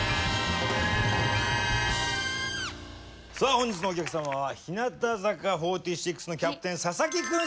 本日のお客様は日向坂４６のキャプテン佐々木久美